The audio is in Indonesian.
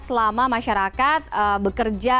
selama masyarakat bekerja